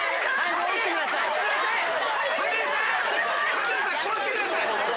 白竜さん殺してください。